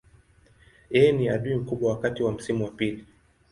Yeye ni adui mkubwa wakati wa msimu wa pili.